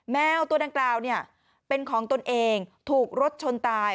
แมวตัวดังกล่าวเนี่ยเป็นของตนเองถูกรถชนตาย